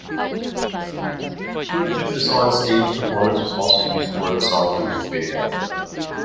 Footage of this on-stage performance also was used for the song's music video.